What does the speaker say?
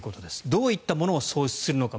どういったものを喪失するのか。